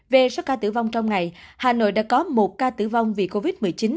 về số ca tử vong trong ngày hà nội đã có một ca tử vong vì covid một mươi chín